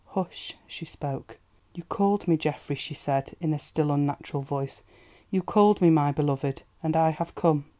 Hush! she spoke. "You called me, Geoffrey," she said, in a still, unnatural voice. "You called me, my beloved, and I—have—come."